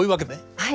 はい。